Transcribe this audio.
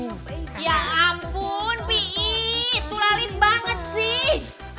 ya ampun pi'i tulalit banget sih